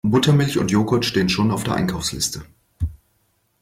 Buttermilch und Jogurt stehen schon auf der Einkaufsliste.